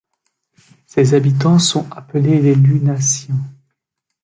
Ses habitants sont appelés les Lunassiens.